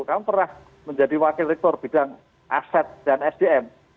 kamu pernah menjadi wakil rektor bidang aset dan sdm